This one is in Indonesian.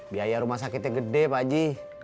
biaya rumah sakitnya gede pak haji